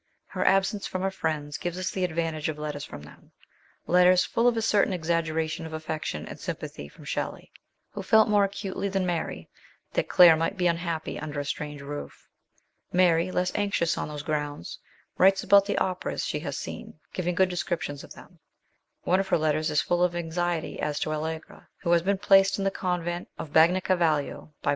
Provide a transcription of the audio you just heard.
Her absence from her friends gives us the advantage of letters from them, letters full of a certain exaggeration of affection and sympathy from Shelley, who felt more acutely than Mary that Claire might be unhappy under a strange roof. Mary, less anxious on those grounds, writes about the operas she has seen, giving good descriptions of them. One of her letters is full of anxiety as to Allegra, who has been placed in the convent of Bagnacavallo by 10 146 MRS. SHELLEY.